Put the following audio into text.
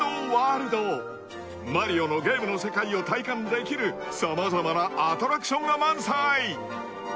［『マリオ』のゲームの世界を体感できる様々なアトラクションが満載！］